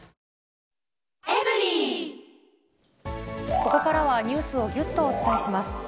ここからはニュースをぎゅっとお伝えします。